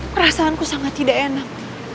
perasaanku sangat tidak enak